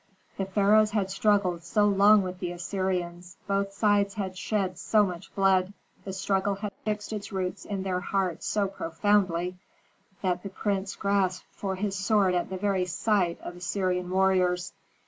The pharaohs had struggled so long with the Assyrians, both sides had shed so much blood, the struggle had fixed its roots in their hearts so profoundly, that the prince grasped for his sword at the very sight of Assyrian warriors.